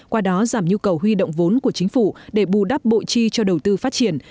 qua đó giảm nhu cầu huy động vốn của chính phủ để bù đắp bộ chi cho đầu tư phát triển